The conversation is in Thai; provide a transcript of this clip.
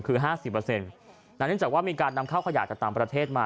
คือ๕๐เปอร์เซ็นต์ดังนั้นจากว่ามีการนำข้าวขยาจากตามประเทศมา